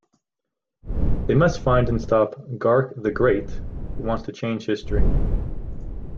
They must find and stop "Garc the Great" who wants to change history.